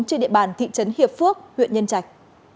trên địa bàn thị trấn hiệp phước huyện nhân trạch